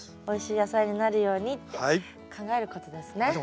おいしい野菜になるようにって考えることですね。